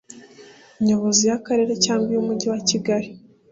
nyobozi y akarere cyangwa iy umujyi wa kigali